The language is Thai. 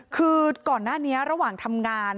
คือก่อนหน้านี้ระหว่างทำงาน